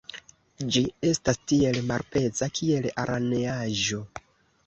Ĝi estas tiel malpeza, kiel araneaĵo!